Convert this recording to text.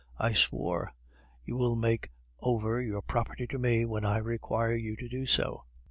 I swore. 'You will make over your property to me when I require you to do so.